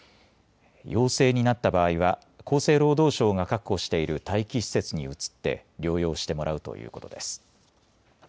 陽性になった場合は厚生労働省が確保している待機施設に移って療養してもらうということです。